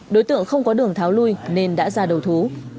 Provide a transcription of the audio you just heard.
đối tượng không có đường tháo lui nên đã ra đầu thú